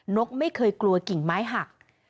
นกไม่เคยกลัวกิ่งไม้หัก